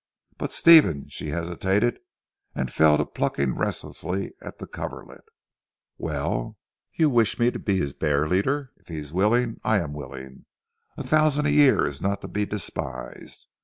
But Stephen " she hesitated and fell to plucking restlessly at the coverlet. "Well! You wish me to be his bear leader? If he is willing, I am willing. A thousand a year is not to be despised.